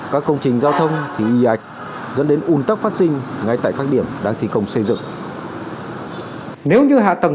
các công trình giao thông thì y ạch dẫn đến ủn tắc phát sinh ngay tại các điểm đang thi công xây dựng